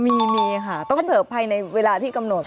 มีมีค่ะต้องเสิร์ฟภายในเวลาที่กำหนด